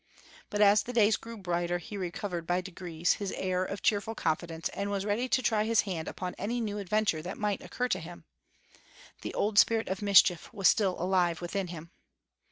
But as the days grew brighter he recovered by degrees his air of cheerful confidence and was ready to try his hand upon any new adventure that might occur to him. The old spirit of mischief was still alive within him.